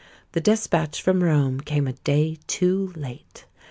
The despatch from Rome came a day too late!